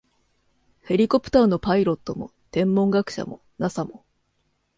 ヘリコプターのパイロットも、天文学者も、ＮＡＳＡ も、